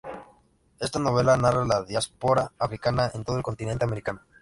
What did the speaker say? Esta novela narra la diáspora africana en todo el continente americano.